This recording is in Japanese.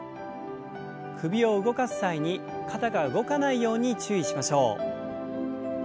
首を動かす際に肩が動かないように注意しましょう。